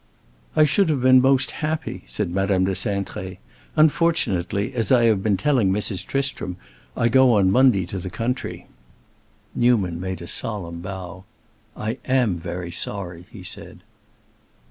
"I should have been most happy," said Madame de Cintré. "Unfortunately, as I have been telling Mrs. Tristram, I go on Monday to the country." Newman had made a solemn bow. "I am very sorry," he said.